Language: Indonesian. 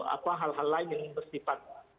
apa hal hal lain yang bersifat